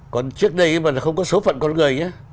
còn trước đây không có số phận con người nhé